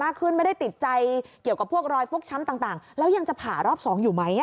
เกี่ยวกับพวกรอยฟุกช้ำต่างแล้วยังจะผ่ารอบ๒อยู่ไหม